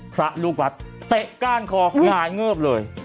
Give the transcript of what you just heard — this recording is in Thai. พระลูกวัดเตะก้านคอหงายเงิบเลย